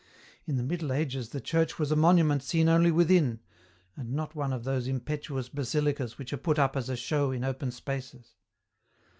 In the Middle Ages the church was a monument seen only within, and not one of those impetuous basilicas which are put up as a show in open spaces.